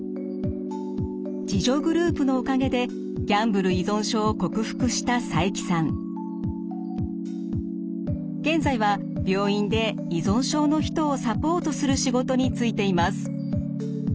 自助グループのおかげでギャンブル依存症を克服した現在は病院で依存症の人をサポートする仕事に就いています。